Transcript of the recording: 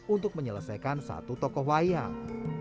untuk menyelesaikan satu tokoh wayang